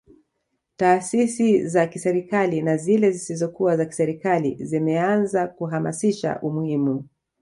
Taasisi za kiserikali na zile zisizokuwa za kiserikali zimeanza kuhamasisha umuhimu